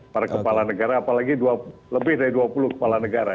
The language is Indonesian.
para kepala negara apalagi lebih dari dua puluh kepala negara